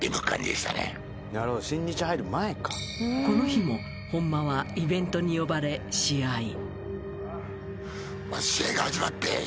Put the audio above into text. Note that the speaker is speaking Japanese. ［この日も本間はイベントに呼ばれ試合］